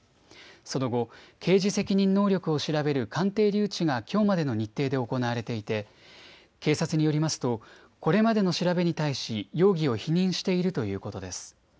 その後、刑事責任能力を調べる鑑定留置がきょうまでの日程で行われていて警察によりますとこれまでの調べに対し容疑を否認しているということです。